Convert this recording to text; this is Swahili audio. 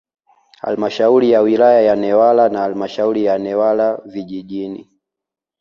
Halmashauri ya wilaya ya Newala na Halmashauri ya Newala vijijini